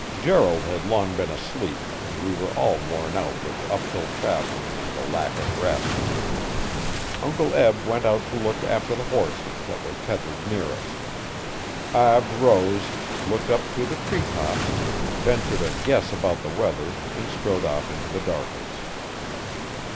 Gerald had long been asleep and we were all worn out with uphill travelling and the lack of rest. Uncle Eb went out to look after the horses that were tethered near us. Ab rose, looked up through the tree tops, ventured a guess about the weather, and strode off into the darkness.